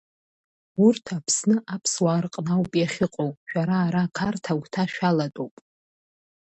Урҭ Аԥсны аԥсуаа рҟны ауп иахьыҟоу, шәара ара Қарҭ агәҭа шәалатәоуп.